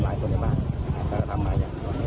ดังนี้ธรรมชาติวิธีโตรชมพลัง